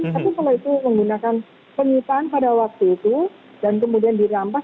jadi kalau itu menggunakan penyitaan pada waktu itu dan kemudian dirampas